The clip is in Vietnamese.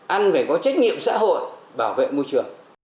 ăn phải có trách nhiệm xã hội bảo vệ môi trường